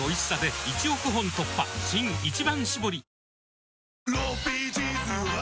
新「一番搾り」